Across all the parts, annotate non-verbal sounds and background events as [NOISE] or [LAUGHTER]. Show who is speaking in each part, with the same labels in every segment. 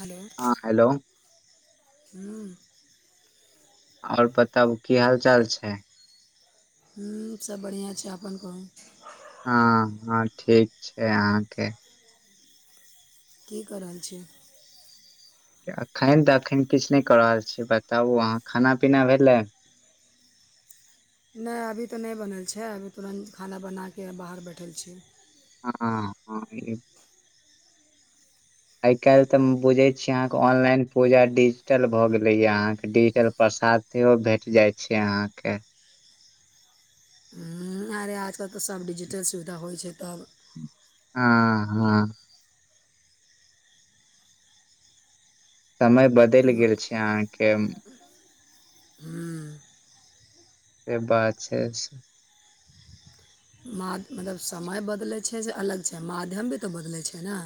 Speaker 1: हलो
Speaker 2: हँ हेलो
Speaker 1: हूँ
Speaker 2: आओर बताबू की हाल चाल छै
Speaker 1: हूँ सब बढ़िआँ छै अपन कहू
Speaker 2: हँ हँ ठीक छै अहाँके
Speaker 1: की कऽ रहल छीयै
Speaker 2: एखन तऽ एखन किछ नय कऽ रहल छीयै बताबू अहाँ खाना पीना भेलए
Speaker 1: नय अभी तऽ नय बनल छै अभी तुरन्त खाना बनाके बाहर बैठल छीयै
Speaker 2: हँ [UNINTELLIGIBLE] आइ काल्हि तऽ हम बुझै छीयै अहाँके ऑनलाइन पूजा डिजिटल भऽ गेलैया अहाँके डिजिटल पसाद तयो भेट जाइ छै अहाँके
Speaker 1: हमारे आजकल तऽ सब डिजिटल सुविधा होइ छै तब
Speaker 2: आ हँ समय बदलि गेल छै अहाँके
Speaker 1: हूँ
Speaker 2: [UNINTELLIGIBLE] छै
Speaker 1: मा मतलब समय बदलै छै से अलग छै माध्यम भी तऽ बदलै छै ने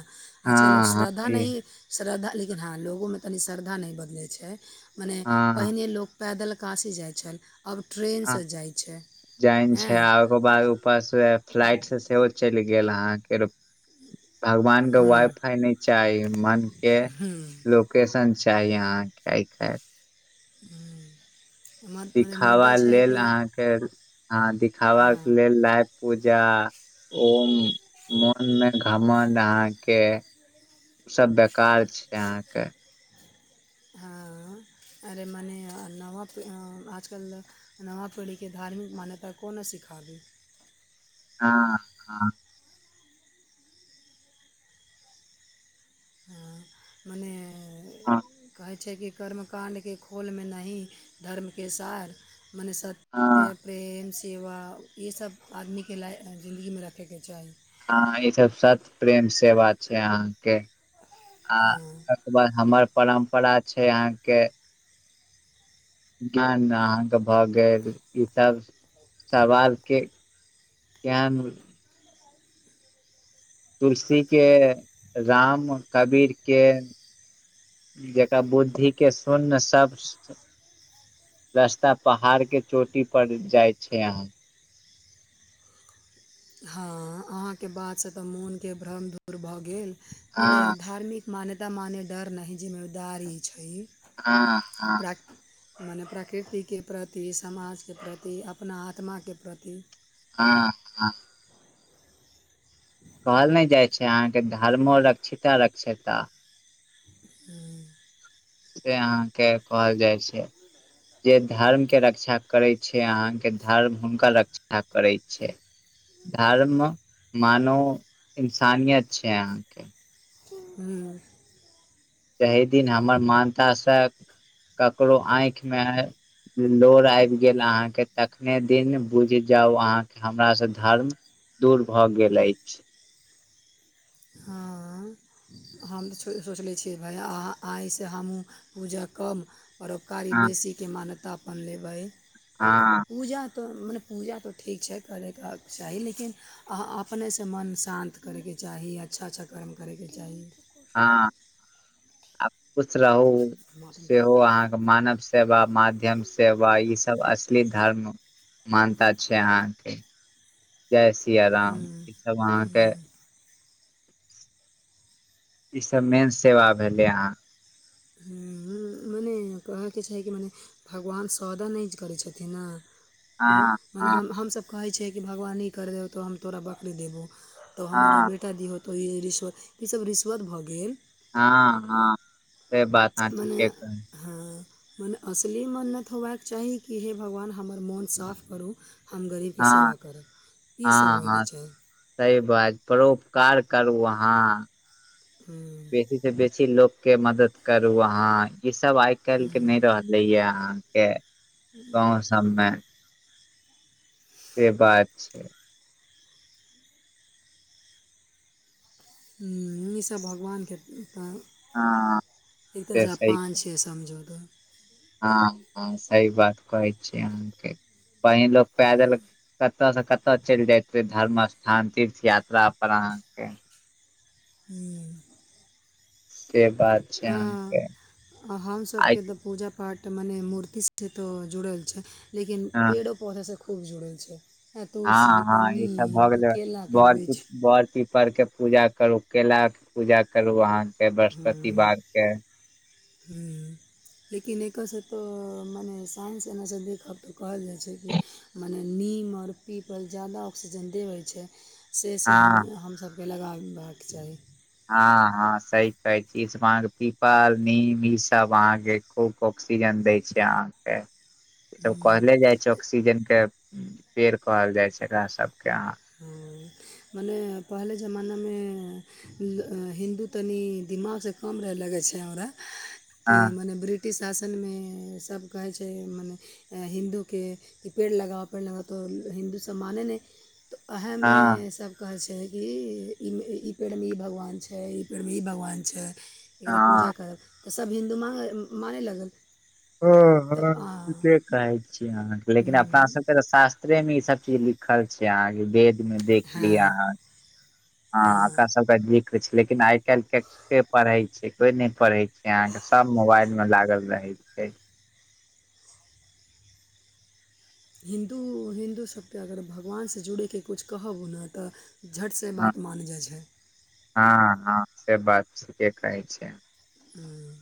Speaker 2: हँ
Speaker 1: अजकल ओ श्रद्धा नहि श्रद्धा लेकिन हँ लोगोमे तनी श्रद्धा नै बदलै छै मने
Speaker 2: हँ
Speaker 1: पहिने लोक पैदल काशी जाइ छल आब
Speaker 2: हँ
Speaker 1: ट्रेनसँ जाइ छै
Speaker 2: जाइन
Speaker 1: हँ
Speaker 2: [UNINTELLIGIBLE] ऊपर फ्लाइट से सेहो चलि गेल अहाँके भगवानके
Speaker 1: हूँ
Speaker 2: वाइफाइ नै चाही मनके लोकेशन चाही आहाँके आइ काइल
Speaker 1: हूँ एमर ओना मुद्दा छै कि
Speaker 2: फेर आहाँ दिखाबा
Speaker 1: हँ
Speaker 2: के लेल लाइ पूजा ओम मोन मे घमंड अहाँके सब बेकार छै अहाँके
Speaker 1: हँ अरे मने नव आजकल नवा पीढ़ीके धार्मिक मान्यता कोना सिखाबी
Speaker 2: हँ हँ
Speaker 1: हाँ, मने
Speaker 2: हँ
Speaker 1: कहै छै कि कर्मकाण्डके खोलमे नाहि धर्मके सार मने
Speaker 2: हँ
Speaker 1: सत्य प्रेम सेवा ये सब आदमीके लाइ जिन्दगीमे रखैके चाही
Speaker 2: हँ ई सब सत प्रेम सेवा छै अहाँके आ उमहर हमर परम्परा छै अहाँ के [UNINTELLIGIBLE] अहाँके भए गेल ई सब सवाल के ज्ञानेद्र तुलसीेकेँ राम कबीरकेँ जेकर बुद्धिक के सुन्य सबस रस्ता पहाड़ के चोटी पर जाय छै अहाँं
Speaker 1: हँ अहाँके बातसँ तऽ मोनके भ्रम दुर भऽ गेल मने
Speaker 2: हँ
Speaker 1: धार्मिक मान्यता माने डर नाहि जिम्मेदारी छै
Speaker 2: हँ हँ
Speaker 1: प्रा मने प्रकृतिके प्रति समाजके प्रति अपना आत्माके प्रति
Speaker 2: हँ हँ कहल नहि जाइत छै अहाँकेँ धर्मो रक्षिता रक्षेता
Speaker 1: हुँ
Speaker 2: से अहाँकेँ कहल जाइ छै जे धर्म केँ रक्षा करे छै अहाँकेँ धर्म हुनका रक्षा करै छै धर्म मानू इन्सानियत छै अहाँकेँ
Speaker 1: हुँ
Speaker 2: जाहि दिन हमर मानतासँ ककरो आँखिमे लोर आबि गेल अहाँकेँ तखने दिन बुझि जाउ अहाँके हमरा सँ धर्म दूर भऽ गेल अछि
Speaker 1: हँ हम तऽ सोचलै छियै भाइ अहाँ आइसँ हमहूँ पूजा कम करब कार्य
Speaker 2: हँ
Speaker 1: बेसी केँ मान्यतापन अपन लेबै
Speaker 2: हँ
Speaker 1: पूजा तऽ मने पूजा तऽ ठीक छै करै केँ चाही लेकिन अहाँ अपने सँ मन शान्त करय केँ चाही अच्छा - अच्छा कर्म करय केँ चाही
Speaker 2: हँ आ खुश रहु सेहो अहाँकेँ मानव सेवा माध्यम सेवा ई सब असली धर्म मान्यता छै अहाँकेँ जय सिया राम ई सब अहाँकेँ ई सब मेन सेवा भेले अहाँ
Speaker 1: [UNINTELLIGIBLE] माने कहऽ केँ छै माने भगवान सौदा नय करै छथिन नऽ आय
Speaker 2: हँ
Speaker 1: माने
Speaker 2: हँ
Speaker 1: हम हमसब कहै छियै कि भगवान ई कर देब तऽ हम तोरा बकरी देबौ तऽ हमर
Speaker 2: हँ
Speaker 1: बेटा दी होतऽ ई रिश्वत ई सब रिश्वत भऽ गेल
Speaker 2: हँ हँ से बात अहाँ
Speaker 1: माने
Speaker 2: ठीके कहै
Speaker 1: हँ मने असली मन्नत होयबाक चाही कि हे भगवान हमर मोन साफ करू हम गरीब केँ
Speaker 2: हँ
Speaker 1: सेवा करब ई सब
Speaker 2: हँ
Speaker 1: होय
Speaker 2: हँ
Speaker 1: केँ चाही
Speaker 2: सही बात परोपकार करू अहाँ
Speaker 1: हँ
Speaker 2: बेसी से बेसी लोग केँ मदद करु अहाँ इ सब आइ काइल कऽ नय रह लै यऽ अहाँकेँ गाँव सबमे से बात छै
Speaker 1: हुँ ई सब भगवान केँ
Speaker 2: हँ
Speaker 1: [UNINTELLIGIBLE]
Speaker 2: से
Speaker 1: सँ
Speaker 2: सही
Speaker 1: पाँ छे समझौ तो
Speaker 2: हँ हँ सही बात कहै छिय अहाँकेँ पहिले लोक पैदल क कत स कत चलि जायत रहे धर्म स्थान तीर्थ यात्रा अपन पर अहाँकेँ
Speaker 1: हूँ
Speaker 2: से बात छै
Speaker 1: हँ
Speaker 2: अहाँके
Speaker 1: हम
Speaker 2: आइ
Speaker 1: सबके जे पुजा फाट माने मूर्तिसँ तऽ जुड़ल छै लेकिन
Speaker 2: हँ
Speaker 1: पेड़ो पौधा सँ खूब जुड़ल छै आ
Speaker 2: हँ
Speaker 1: तुलसी तऽ
Speaker 2: हँ ई सब भऽ
Speaker 1: नीम तो
Speaker 2: गेल
Speaker 1: केला के
Speaker 2: बड़ कुछ
Speaker 1: वृक्ष
Speaker 2: बड़ की बर के पूजा करु केला के पूजा करु आ लाँके बृहस्पति बार के
Speaker 1: हुँ लेकिन एकरसँ तऽ माने साइंस एना सँ देखब तऽ कहल जाइ छै कि मने नीम और पीपल जादा ऑक्सीजन दे होय छै से से हम
Speaker 2: हँ
Speaker 1: हम सब केँ लगेबाक चाही
Speaker 2: हँ हँ सही कहे छी इ सब हके पीपल नीम ई सब अहाँ केँ खूब कऽ ऑक्सीजन दै छै अहाँ केँ
Speaker 1: [INAUDIBLE]
Speaker 2: ई सब कहले जाइ छै ऑक्सीजन केँ पेड़ कहल जाइ छै एकरा सब केँ अहाँ
Speaker 1: हुँ मने पहले जमाना में हिन्दू तनि दिमाग से कम रहे लगे छै हमरा कि
Speaker 2: हँ
Speaker 1: मने बि टिश शासन में सब कहै छै मने हिन्दू केँ की पेड़ लगाव पेड़ लगाव तो हिन्दू सब माने नैे वेहै में
Speaker 2: हँ
Speaker 1: सब कहै छै कि ई ई पेड़ मे ई भगवान छै ई पेड़ में ई भगवान छै एकरा पूजा
Speaker 2: हँ
Speaker 1: करब तऽ सब हिन्दू मा मानै लागल
Speaker 2: हँ हँ ठीके कहे छी अहाँ लेकिन अपना सब केँ शास्त्रे में ई सब चीज लि खल छै अहाँकेँ वेद में देख
Speaker 1: हँ
Speaker 2: लिय अहाँ हँ एकरा सबकेँ जे कुछ छैल आइ काइल केँ पड़हे छै कोई नै पड़हे छै छै अहाँ कऽ सब मोबाइल में लागल रहे छै
Speaker 1: हिन्दू हिन्दू सब केँ अगर भगवान से जुड़य केँ कुछ कहब न तऽ झट से
Speaker 2: हँ
Speaker 1: बात मान जाइ छैय
Speaker 2: हँ हँ से बात ठीके कहै छियै
Speaker 1: हऽ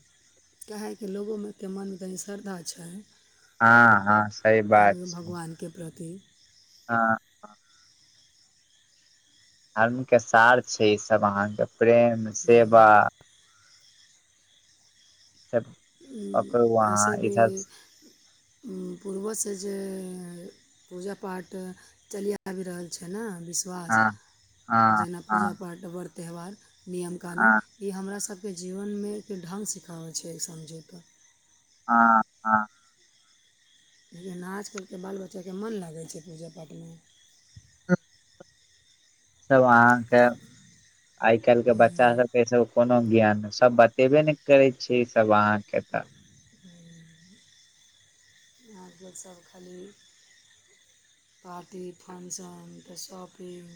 Speaker 1: काहेकि लोगो में केँ मन तनी श्रद्धा छै
Speaker 2: हऽ हऽ सही बात छै
Speaker 1: केँ प्रति
Speaker 2: हऽ धर्म केँ सार छै ई सब अहाँ केँ प्रेम सेवा [UNINTELLIGIBLE]
Speaker 1: [UNINTELLIGIBLE]
Speaker 2: पकड़ू अहाँ ई सब
Speaker 1: पूर्वज से जे पूजा पाठ चलि आब रहल छै न विश - - वस
Speaker 2: हँ
Speaker 1: [INAUDIBLE]
Speaker 2: हँ
Speaker 1: जेना पूजा
Speaker 2: हँ
Speaker 1: पाठ वर त्यौहार नियम कानून
Speaker 2: हँ
Speaker 1: ई हमरा सब केँ जीवन में एक ढंग सिखाबै छै समझै कऽ
Speaker 2: हऽ हऽ
Speaker 1: [UNINTELLIGIBLE] आज कल केँ बाल बच्चा केँ मन लागै छै पूजा पाठ में
Speaker 2: सब अहाँकेँ [INAUDIBLE] आइ काइल केँ बच्चा सब केँ ई सब कोनो ज्ञान सब बतेबे नै करै छै ई सब अहाँकेँ तऽ
Speaker 1: [UNINTELLIGIBLE] आब कऽ सब खाली पार्टी फंक्शन तऽ शॉपिंग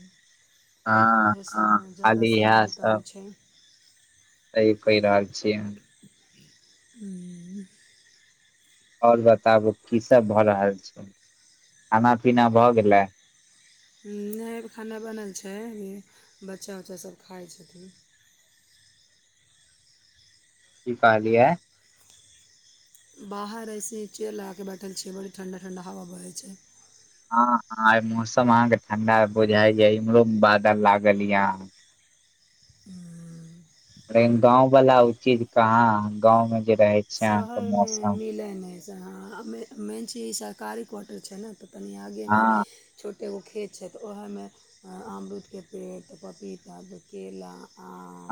Speaker 2: हँ
Speaker 1: इहो सब
Speaker 2: हँ
Speaker 1: में जादा
Speaker 2: खाली
Speaker 1: समय बिताबै छै
Speaker 2: तैय कह रहल छियै
Speaker 1: [UNINTELLIGIBLE]
Speaker 2: और बताबु की सब भऽ रहल छै खाना पीना भऽ गेलै
Speaker 1: नै खाना बनल छै बच्चा उच्चा सब खाइ छथिन
Speaker 2: की कहलीए
Speaker 1: बाहर ऐसे चेयर लगा केँ बैठल छियै बड़ी ठंडा ठंडा हवा बहै छै
Speaker 2: हऽ हऽ मौसम अहाँकेँ ठंडा बुझैय इम्हरो बादल लागल यऽ
Speaker 1: [UNINTELLIGIBLE]
Speaker 2: गाँवाला ओ चीज कहाँ गाँव में जे रहे छै अहाँके
Speaker 1: शहरमे
Speaker 2: मौसम
Speaker 1: मिलै नै हँ मे मेन चि ई सरकारी क्वार्टर छै ने तऽ तनि आगेमे
Speaker 2: हँ
Speaker 1: छोटेगो खेत छै तऽ ओहएमे अमरूदके पेड़ तऽ पपीता त केला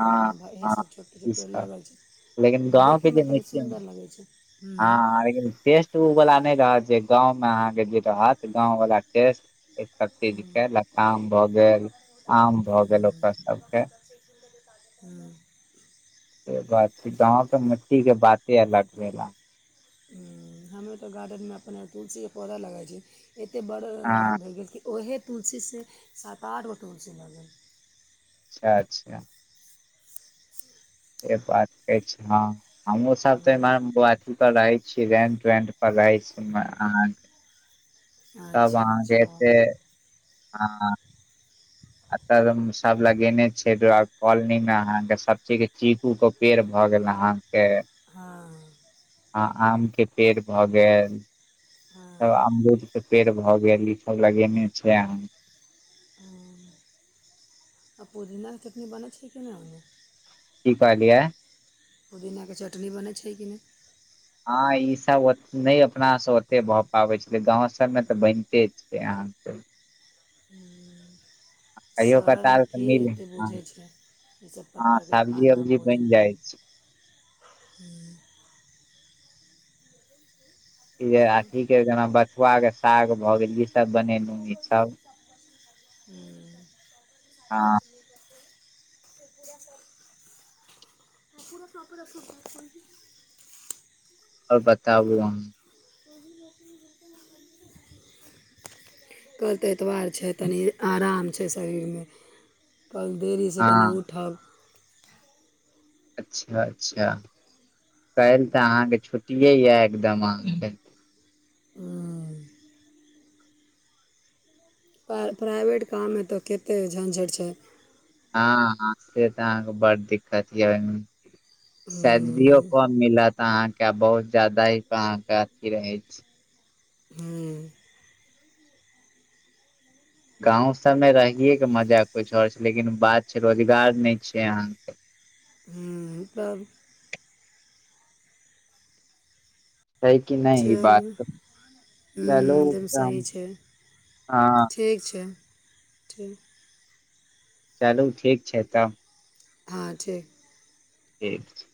Speaker 2: हँ
Speaker 1: इहे
Speaker 2: हँ
Speaker 1: सब छोटो छोट
Speaker 2: ई
Speaker 1: पेड़
Speaker 2: सब
Speaker 1: लगल छै
Speaker 2: लेकिन गाँंव
Speaker 1: देखे
Speaker 2: के
Speaker 1: मे
Speaker 2: जे मिट्टी हँ हाँ लेकिन टेस्ट उ वला नै रहत जे गाँवमे अहाँके जे रहत गाँव वला टेस्ट ई सब चीज के लताम भए गेल आम भए गेल
Speaker 1: हूँ,
Speaker 2: ओकर सबके
Speaker 1: हूँ
Speaker 2: से बात छै गाँव के मिट्टी के बाते अलग भेला
Speaker 1: हूँ हमे तऽ गार्डेनमे अपने तुलसीके पौधा लगाय छी एते बड़
Speaker 2: हँ
Speaker 1: भए गेल कि ओहे तुलसीसे सात आठ गो तुलसी भगेल
Speaker 2: अच्छा अच्छा ए बात अछ हँ हमहु सब त
Speaker 1: हूँ,
Speaker 2: एमहर बात रहै छी रेंट वेंट पर रहै छी आहाँ तब
Speaker 1: अच्छा
Speaker 2: आहाँ के
Speaker 1: अच्छा
Speaker 2: एते हँ अत म अब लगेने छै कॉलोनी मे अहाँ के सब चीज के चीकू के पेड़ भ गेल अहाँ के
Speaker 1: हँ
Speaker 2: हँ आम के पेड़ भऽ गेल त
Speaker 1: हँ
Speaker 2: अमरूद के पेड़ भए गेल ई सब लगेने छइ अहाँ
Speaker 1: हँ आ पुदीनाके चटनी बनै छै कि नाय
Speaker 2: की कहलियै
Speaker 1: पुदीनाके चटनी बनै छै कि नय
Speaker 2: हँ ई सब ओत नै अपना स ओते भ पाबै छलै गाँंव सब मे तऽ बनिते छै छै आहाँ कहियो
Speaker 1: शहरमे
Speaker 2: कताल तऽ
Speaker 1: के
Speaker 2: मिल
Speaker 1: एते
Speaker 2: हँ
Speaker 1: बुझै छइ जै से
Speaker 2: हँ
Speaker 1: पटाके
Speaker 2: सब्जी
Speaker 1: खाना
Speaker 2: उब्जी बनि
Speaker 1: भोजन
Speaker 2: जाइ
Speaker 1: पानी
Speaker 2: छै
Speaker 1: हूँ
Speaker 2: ई जे अथी के जेना बथुआ के साग भगेल ई सब बनेलू ई सब
Speaker 1: हूँ
Speaker 2: हँ
Speaker 1: [UNINTELLIGIBLE] [UNINTELLIGIBLE]
Speaker 2: आओर बताबू आहाँ।
Speaker 1: [UNINTELLIGIBLE] कलत एतबार छैय तनि आराम छैय शरीरमे। कल देरीसँ कनि
Speaker 2: हँ
Speaker 1: उठब
Speaker 2: अच्छा अच्छा काल्हि तऽ अहाँके छुट्टिये यऽ एकदम अहाँके
Speaker 1: प्राइवेट काममे तऽ कते झञझटि छै
Speaker 2: हँ हँ से तऽ अहाँके बड़ दिक्कत य ओईमे शायद धियो कम मिलत अहाँ के बहुत जादा ईक अहाँ के अथी रहै छै
Speaker 1: हूँ
Speaker 2: गाँंव सबमे रहिेये के मजा कुछ आओर छैय लेकिन बात छैय रोजगार नै छैय अहाँके।
Speaker 1: अ त [UNINTELLIGIBLE]
Speaker 2: छैय कि नै इ बात।
Speaker 1: हूँ
Speaker 2: चलू
Speaker 1: एकदम
Speaker 2: तऽ
Speaker 1: सही
Speaker 2: हम
Speaker 1: छैय
Speaker 2: हँ
Speaker 1: ठीक छैय ठीक।
Speaker 2: चलू ठीक छैय तऽ।
Speaker 1: हँ ठीक।
Speaker 2: ठीक।